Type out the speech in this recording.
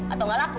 atau gak laku